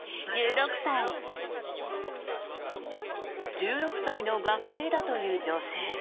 １６歳の学生だという女性。